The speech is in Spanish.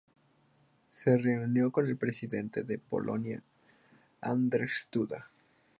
Se reunió con el presidente de Polonia Andrzej Duda.